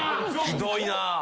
ひどいな。